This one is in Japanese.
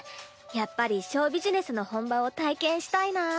やっぱりショービジネスの本場を体験したいなぁ。